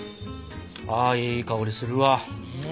あいい香りするわ。